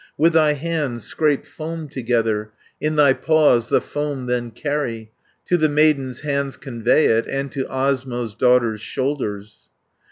With thy hands scrape foam together, In thy paws the foam then carry, 290 To the maiden's hands convey it, And to Osmo's daughter's shoulders.'